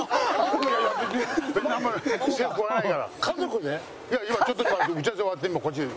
いや今ちょっと打ち合わせ終わってこっち。